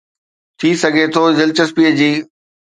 ٿي سگهي ٿو دلچسپي جي.